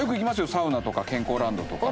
サウナとか健康ランドとか。